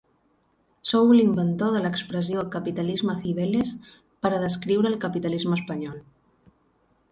Sou l’inventor de l’expressió ‘capitalisme Cibeles’ per a descriure el capitalisme espanyol.